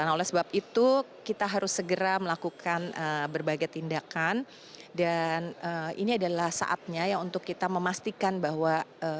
nah oleh sebab itu kita harus segera melakukan berbagai tindakan dan ini adalah saatnya untuk kita memastikan bahwa